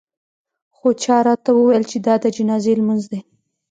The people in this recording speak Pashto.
خو چا راته وویل چې دا د جنازې لمونځ دی.